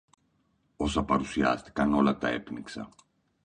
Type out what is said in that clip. Όσα παρουσιάστηκαν, όλα τα έπνιξα